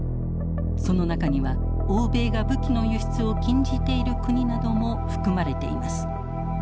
その中には欧米が武器の輸出を禁じている国なども含まれています。